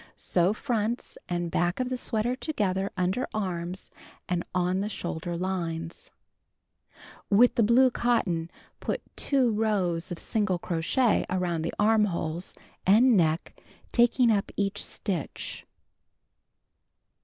Sew fronts and back of the sweater together under arms and on the shoulder hnes. With the blue cotton, put 2 rows of single crochet around the armholes and neck taking up each stitch.